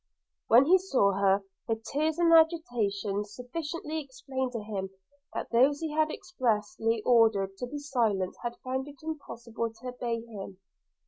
When he saw her, her tears and agitation sufficiently explained to him, that those he had expressly ordered to be silent had found it impossible to obey him.